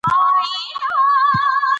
د ښځې په اړه زموږ تصور ښيي.